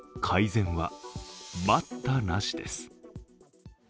改善は待ったなしです。